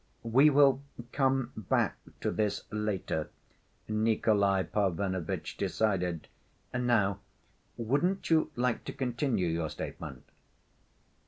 "We will come back to this later," Nikolay Parfenovitch decided. "Now, wouldn't you like to continue your statement?"